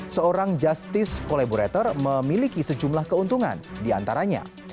seorang justice collaborator memiliki sejumlah keuntungan diantaranya